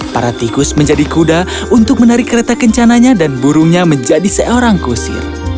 para tikus menjadi kuda untuk menarik kereta kencananya dan burungnya menjadi seorang kusir